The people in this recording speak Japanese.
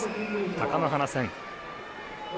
貴乃花戦。